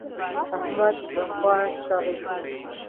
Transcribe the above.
احمد خوا ستغی شو.